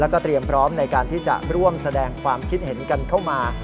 แล้วก็เตรียมพร้อมในการที่จะร่วมแสดงความคิดเห็นกันเข้ามา